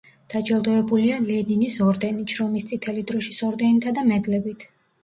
დაჯილდოებულია ლენინის ორდენით, შრომის წითელი დროშის ორდენითა და მედლებით.